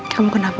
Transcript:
kamu yang kenapa